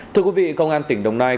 thưa quý vị công an tỉnh đồng nai